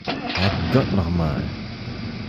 Herrgott noch mal!